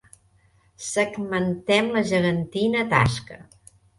Segmentem la gegantina tasca.